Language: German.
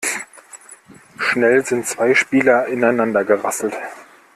Schnell sind zwei Spieler ineinander gerasselt.